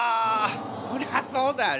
そりゃそうだよ。